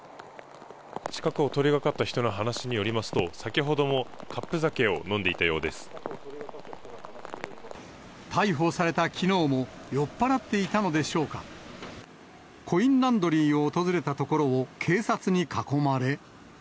近くを通りかかった人の話によりますと、先ほども、逮捕されたきのうも、酔っ払っていたのでしょうか、コインランドリーを訪れたところを、警察に囲まれ。